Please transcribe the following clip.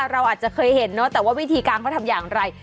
เราอาจจะเคยเห็นเนอะแต่ว่าวิธีการเขาทำอย่างไร